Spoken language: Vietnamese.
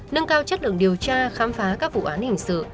nâng cao chất lượng điều tra khám phá các vụ án hình sự